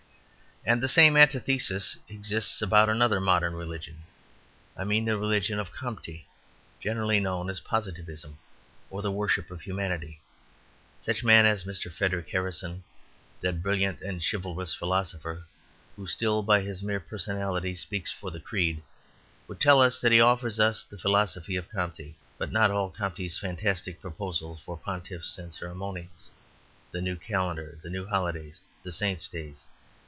And the same antithesis exists about another modern religion I mean the religion of Comte, generally known as Positivism, or the worship of humanity. Such men as Mr. Frederic Harrison, that brilliant and chivalrous philosopher, who still, by his mere personality, speaks for the creed, would tell us that he offers us the philosophy of Comte, but not all Comte's fantastic proposals for pontiffs and ceremonials, the new calendar, the new holidays and saints' days.